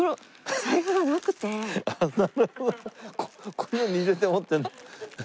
こういうのに入れて持ってるの？